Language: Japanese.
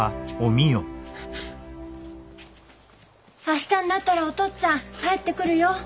明日になったらお父っつぁん帰ってくるよ。